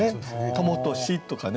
「朋とし」とかね